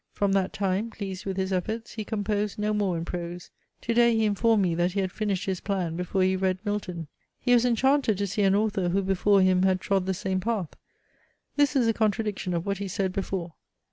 From that time, pleased with his efforts, he composed no more in prose. Today he informed me that he had finished his plan before he read Milton. He was enchanted to see an author who before him had trod the same path. This is a contradiction of what he said before.